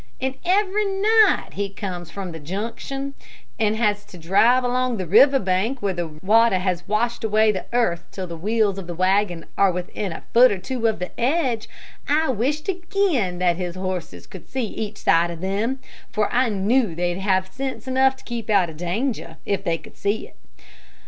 And every night he comes from the Junction, and has to drive along the river bank where the water has washed away the earth till the wheels of the wagon are within a foot or two of the edge, I wished again that his horses could see each side of them, for I knew they'd have sense enough to keep out of danger if they could see it.